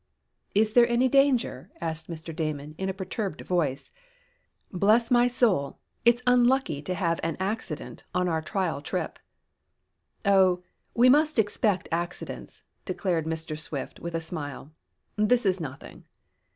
"Is there any danger?" asked Mr. Damon in a perturbed voice. "Bless my soul, it's unlucky to have an accident on our trial trip." "Oh, we must expect accidents," declared Mr. Swift with a smile. "This is nothing."